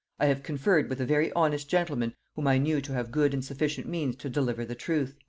I have conferred with a very honest gentleman whom I knew to have good and sufficient means to deliver the truth."